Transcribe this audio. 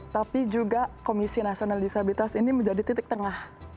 tapi juga komisi nasional disabilitas ini menjadi titik tengah